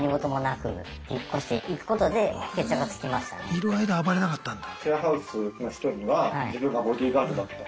いる間暴れなかったんだ。